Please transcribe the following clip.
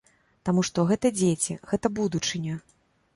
Таму што гэта дзеці, гэта будучыня.